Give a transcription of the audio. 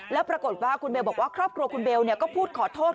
แล้วปรากฏว่าคุณเบลบอกว่าครอบครัวคุณเบลก็พูดขอโทษ